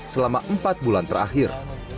selama empat bulan terakhir